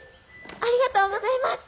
ありがとうございます！